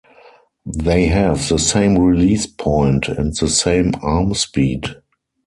They have the same release point and the same arm speed.